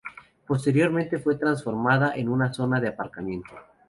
Posteriormente fue transformada en una zona de aparcamiento.